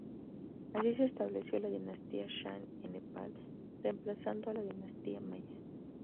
Así se estableció la dinastía Shah en Nepal reemplazando a la Dinastía Malla.